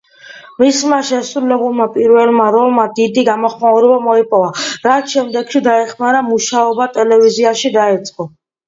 მისმა შესრულებულმა პირველმა როლმა დიდი გამოხმაურება მოიპოვა, რაც შემდეგში დაეხმარა მუშაობა ტელევიზიაში დაეწყო.